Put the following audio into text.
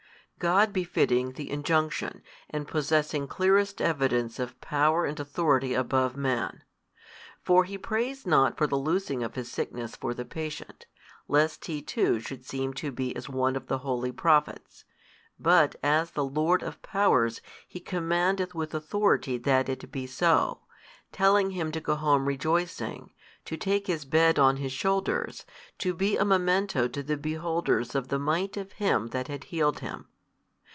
God befitting the injunction, and possessing clearest evidence of power and authority above man. For He prays not for the loosing of his sickness for the patient, lest He too should seem to be as one of the holy Prophets, but as the Lord of Powers He commandeth with authority that it be so, telling him to go home rejoicing, to take his bed on his shoulders, to be a memento to the beholders of the might of Him That had healed him.